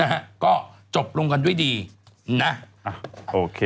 นะฮะก็จบลงกันด้วยดีนะอ่ะโอเค